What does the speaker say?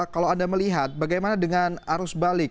kalau anda melihat bagaimana dengan arus balik